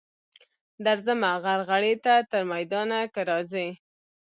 درځمه غرغړې ته تر میدانه که راځې.